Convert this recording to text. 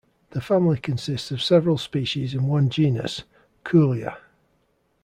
The family consists of several species in one genus, Kuhlia.